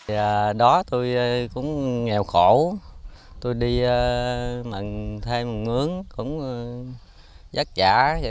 mình thêm một ngưỡng cũng giác trả